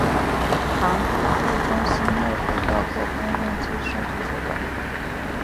庞毕度中心内部包括公共资讯图书馆。